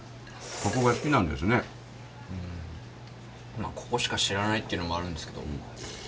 まあここしか知らないっていうのもあるんですけど。